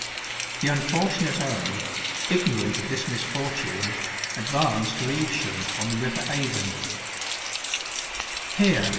The unfortunate Earl, ignorant of this misfortune, advanced to Evesham, on the river Avon.